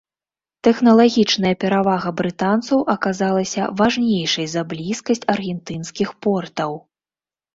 Тэхналагічная перавага брытанцаў аказалася важнейшай за блізкасць аргентынскіх портаў.